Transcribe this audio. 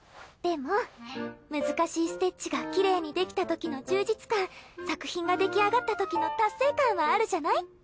でも難しいステッチがきれいにできたときの充実感作品が出来上がったときの達成感はあるじゃない？